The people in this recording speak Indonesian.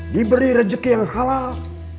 diberi rezeki yang halal